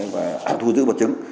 và thu giữ vật chứng